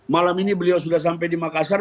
malam ini beliau sudah sampai di makassar